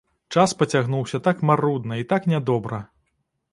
Час пацягнуўся так марудна і так нядобра!